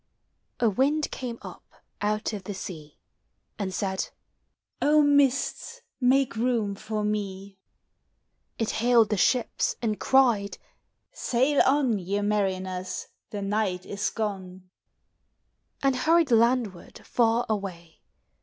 A wind came up out of the sea. And said, kk O mists, make room for mei It hailed the ships, and cried, " Sail on, Ye mariners, the nighl is gone! And hurried landward far away.